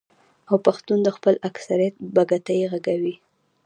او پښتون د خپل اکثريت بګتۍ ږغوي.